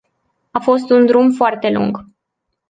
A fost un drum foarte lung.